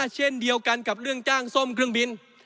เช่นเดียวกันกับเรื่องจ้างซ่อมเครื่องบิน